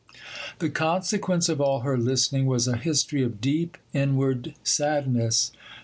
The consequence of all her listening was a history of deep inward sadness.